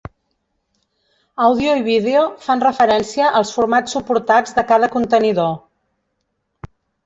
Àudio i Vídeo fan referència als formats suportats de cada contenidor.